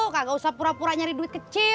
gak usah pura pura nyari duit kecil